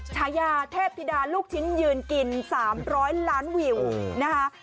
ฉายาเทพธิดาลูกชิ้นยืนกิน๓๐๐ล้านวิวนะคะ